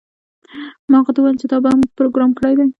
ما هغه ته وویل چې تا بم پروګرام کړی و